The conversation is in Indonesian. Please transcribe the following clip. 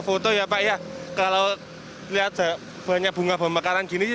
foto foto ya pak ya kalau lihat banyak bunga pemakaran gini sih